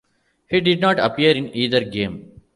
He did not appear in either game.